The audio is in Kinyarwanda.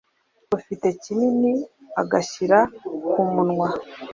Ufite kinini agashyira ku munwa